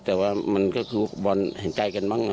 แต่ว่ามันก็คือบอลเห็นใจกันบ้าง